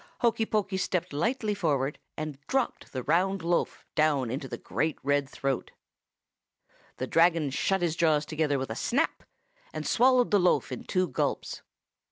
Hokey Pokey stepped lightly forward, and dropped the round loaf down the great red throat. The Dragon shut his jaws together with a snap, and swallowed the loaf in two gulps.